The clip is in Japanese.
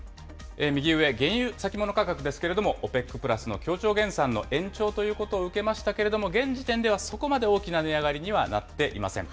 右上、原油先物価格ですけれども、ＯＰＥＣプラスの協調減産の延長ということを受けましたけれども、現時点ではそこまで大きな値上がりにはなっていません。